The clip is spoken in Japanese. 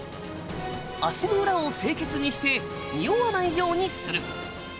足の裏を清潔にしてにおわないようにする。